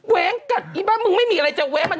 แว้งกัดอีบ้านมึงไม่มีอะไรจะแว้งมัน